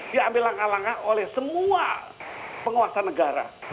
diambil langkah langkah oleh semua penguasa negara